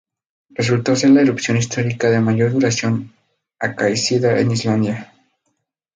Resultó ser la erupción histórica de mayor duración acaecida en Islandia.